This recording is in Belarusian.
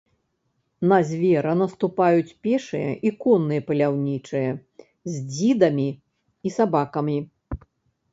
На звера наступаюць пешыя і конныя паляўнічыя з дзідамі і сабакамі.